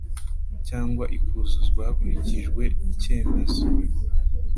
cyangwa ikuzuzwa hakurikijwe icyemezo